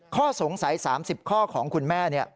ข้อสงสัย๓๐ข้อของคุณแม่